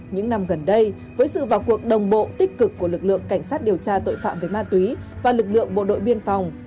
những năm gần đây với sự vào cuộc đồng bộ tích cực của lực lượng cảnh sát điều tra tội phạm về ma túy và lực lượng bộ đội biên phòng